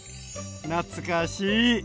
懐かしい！